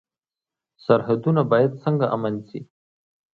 سرحدونه باید څنګه امن شي؟